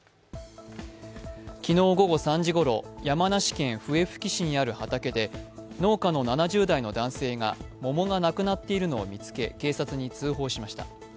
昨日午後３時ごろ、山梨県笛吹市にある畑で農家の７０代の男性が桃がなくなっているのを見つけ警察に通報しました。